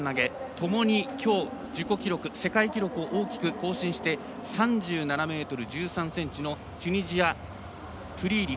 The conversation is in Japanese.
ともに今日、自己記録世界記録を大きく更新して３７ｍ１３ｃｍのチュニジア、トゥリーリ。